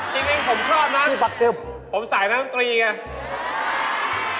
จริงผมชอบนะอันนี้ปลาเจ็บผมใส่น้ำตรีไง